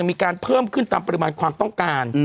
มีการเพิ่มขึ้นตามปริมาณความต้องการ